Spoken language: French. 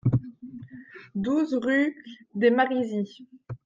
douze rue des Marizys